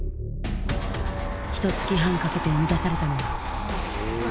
ひとつき半かけて生み出されたのは。